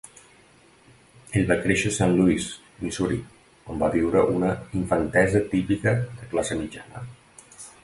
Ell va créixer a Saint Louis, Missouri, on va viure una "infantesa típica de classe mitjana".